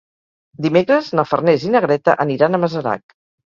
Dimecres na Farners i na Greta aniran a Masarac.